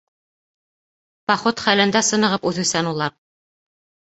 Поход хәлендә сынығып үҫеүсән улар.